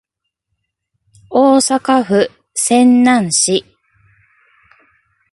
大阪府泉南市